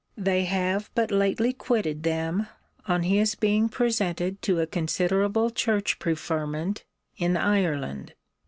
They have but lately quitted them, on his being presented to a considerable church preferment in Ireland.